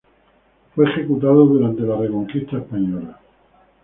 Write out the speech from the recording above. Fue ejecutado durante la Reconquista española.